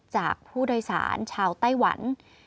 จากผู้โดยสารชาวไต้หวัน